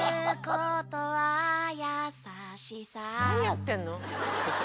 何やってんの？